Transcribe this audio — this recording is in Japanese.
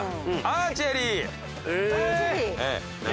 アーチェリー！